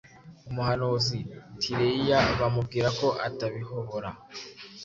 umuhanuzi Tireiya bamubwira ko atabihobora